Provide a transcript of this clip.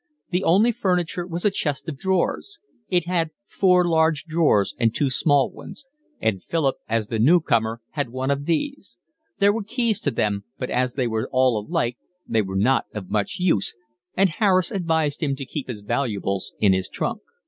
The only furniture was a chest of drawers: it had four large drawers and two small ones, and Philip as the new comer had one of these; there were keys to them, but as they were all alike they were not of much use, and Harris advised him to keep his valuables in his trunk.